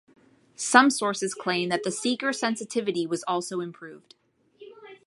Some sources claim that the seeker sensitivity was also improved.